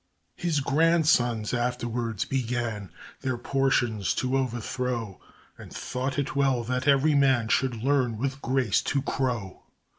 His grandsons afterwards began Their portions to o'erthrow, And thought it well that every man Should learn with grace to crow.